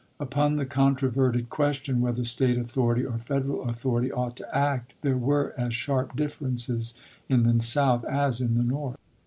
Upon the controverted ques tion whether State authority or Federal authority ought to act, there were as sharp differences in the South as in the North.